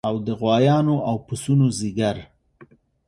او د غوایانو او پسونو ځیګر